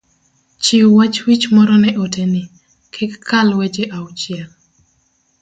chiw wach wich moro ne ote ni, kik kal weche auchiel